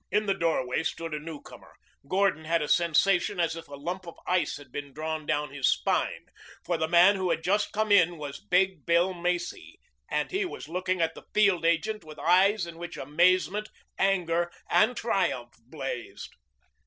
In the doorway stood a newcomer. Gordon had a sensation as if a lump of ice had been drawn down his spine. For the man who had just come in was Big Bill Macy, and he was looking at the field agent with eyes in which amazement, anger, and triumph blazed.